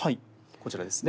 こちらですね。